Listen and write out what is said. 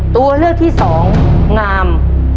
ตัวเลือกที่สองงาม